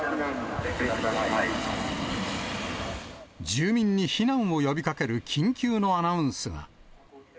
住民に避難を呼びかける緊急のアナウンスが。